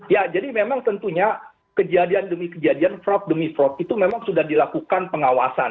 ya jadi memang tentunya kejadian demi kejadian fraud demi fraud itu memang sudah dilakukan pengawasan